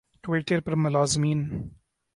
Twitter پر ملازمین